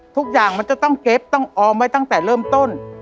ทุกอย่างมันจะต้องเก็บต้องออมไว้ตั้งแต่เริ่มต้น